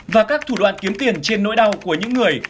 và các thủ đoạn kiếm tiền trên nỗi đau của những người